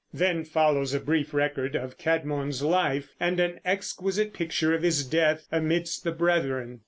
[Then follows a brief record of Cædmon's life and an exquisite picture of his death amidst the brethren.